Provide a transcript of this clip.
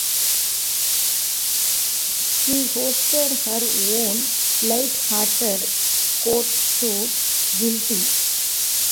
She hosted her own light-hearted court show, Guilty!